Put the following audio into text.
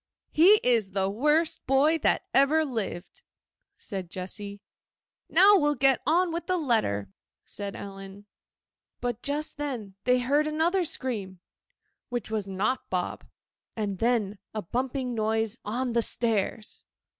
'He is the worst boy that ever lived!' said Jessy. 'Now we'll get on with the letter,' said Ellen. But just then they heard another scream—which was not Bob—and then a bumping noise on the stairs.